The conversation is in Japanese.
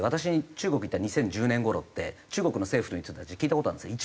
中国にいた２０１０年頃って中国の政府の人たちに聞いた事あるんですよ。